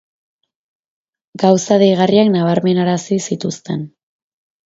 Gauza deigarriak nabarmenarazi zituzten.